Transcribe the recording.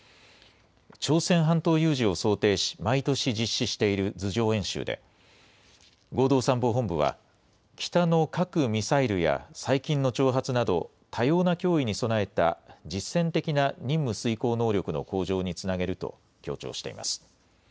朝鮮半島有事を想定し、毎年実施している図上演習で、合同参謀本部は、北の核・ミサイルや、最近の挑発など、多様な脅威に備えた実戦的な任務遂行能力の向上につなげると強調しています。